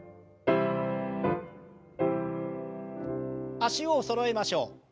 脚をそろえましょう。